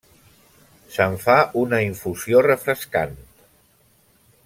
Se'n fa una infusió refrescant.